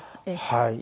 はい。